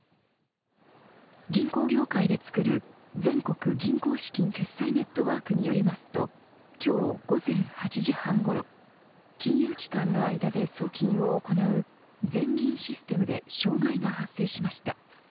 銀行業界でつくる全国銀行資金決済ネットワークによりますと今日午前８時半ごろ金融機関の間で送金を行う全銀システムで障害が発生しました。